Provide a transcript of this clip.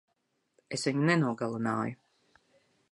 Es viņu nenogalināju.